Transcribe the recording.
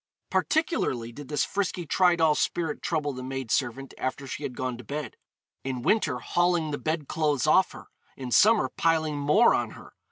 Particularly did this frisky Tridoll spirit trouble the maid servant after she had gone to bed in winter hauling the bed clothes off her; in summer piling more on her.